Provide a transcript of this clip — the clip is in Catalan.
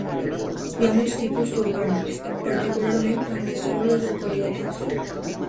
Hi ha molt tipus d'orgànuls, particularment en les cèl·lules eucariotes.